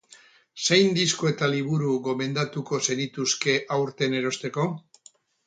Zein disko eta liburu gomendatuko zenituzke aurten erosteko?